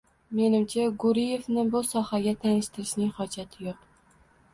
Menimcha, Gurievni bu sohaga tanishtirishning hojati yo'q